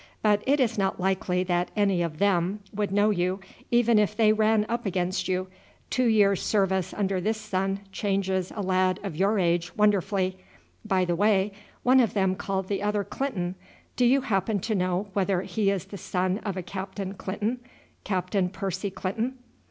But it is not likely that any of them would know you even if they ran up against you. Two years' service under this sun changes a lad of your age wonderfully. By the way, one of them called the other Clinton; do you happen to know whether he is the son of a Captain Clinton Captain Percy Clinton?"